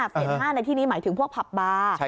เฟส๕ในที่นี้หมายถึงพวกผับบาร์